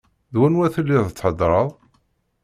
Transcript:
D wanwa telliḍ theddreḍ?